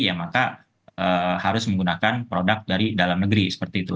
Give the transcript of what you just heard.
ya maka harus menggunakan produk dari dalam negeri seperti itu